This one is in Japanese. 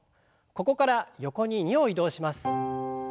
ここから横に２歩移動します。